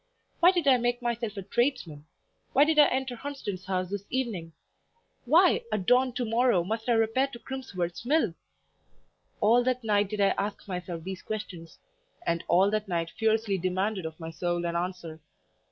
Why did I make myself a tradesman? Why did I enter Hunsden's house this evening? Why, at dawn to morrow, must I repair to Crimsworth's mill? All that night did I ask myself these questions, and all that night fiercely demanded of my soul an answer.